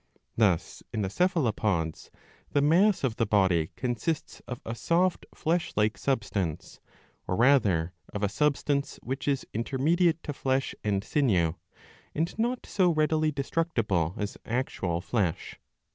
Thus in the Cephalopods the mass of the body consists of a soft flesh like substance, or rather of a substance which is intermediate to flesh and sinew, and not so readily destruc tible as actual flesh.